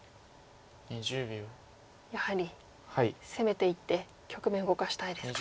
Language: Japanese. やはり攻めていって局面動かしたいですか。